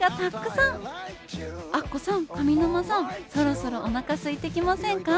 アッコさん上沼さんそろそろおなかすいてきませんか？